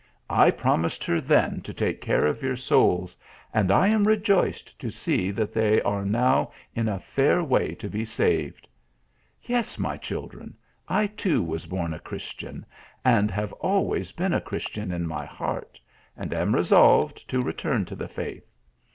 I promised her then to take care of your souls, and I am rejoiced to see th.it they are now in a fair way to be saved. Yes, my children ; I too was born a Christian and have always been a Christian in my heart ; and am resolved to return to the faith.